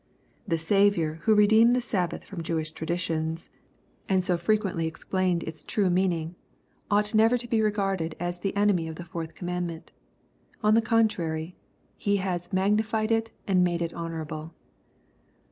The Saviour who redeemed the Sabbath from Jewish traditions, and so frequently explained its tme LUKE, CHAP. VI. 163 meaning, ought never to be regarded as the enemy of the fourth coa.mandment. On the contrary, He has magnified it, and made it honorable."